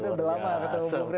terima kasih bang andre